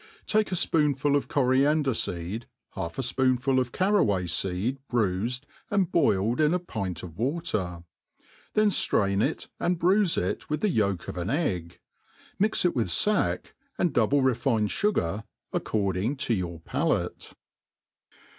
TAKE a fpoonful of coriander feed, halfa fpoonful of cara* way.feed bruifed and boiled in a pint of water j then ftrain jt» arid bruife it with the yolk of aacgg. Mix it with fack and <hduble*refined fugar, according to your palate.